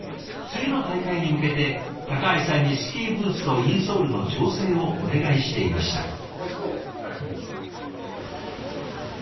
次の大会に向けて橋さんにスキーブーツとインソールの調整をお願いしていました。